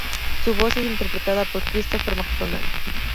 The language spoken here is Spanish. Su voz es interpretada por Christopher McDonald.